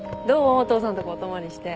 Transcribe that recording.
お父さんとこお泊まりして。